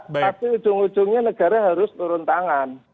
tapi ujung ujungnya negara harus turun tangan